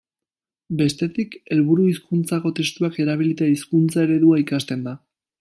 Bestetik, helburu-hizkuntzako testuak erabilita hizkuntza-eredua ikasten da.